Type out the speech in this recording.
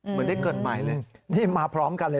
เหมือนได้เกิดใหม่เลย